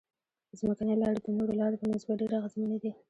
ځمکنۍ لارې د نورو لارو په نسبت ډېرې اغیزمنې دي